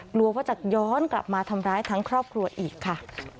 กลัวว่าจะย้อนกลับมาทำร้ายทั้งครอบครัวอีกค่ะ